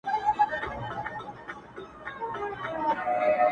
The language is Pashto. • د څو شېبو لپاره -